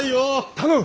頼む。